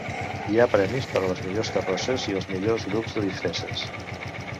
Hi ha premis per les millors carrosses i els millors grups de disfresses.